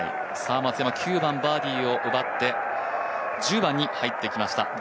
松山９番バーディーを奪って１０番に入ってきました。